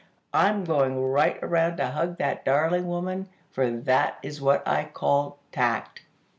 I'm going right around to hug that darling woman; for that is what I call tact."